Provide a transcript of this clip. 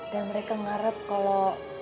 dan mereka ngarep kalau